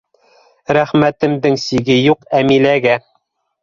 Рәхмәтемдең сиге юҡ Әмиләгә.